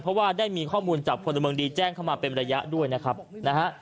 เพราะว่าได้มีข้อมูลจากพลเมืองดีแจ้งเข้ามาเป็นระยะด้วยนะครับนะฮะ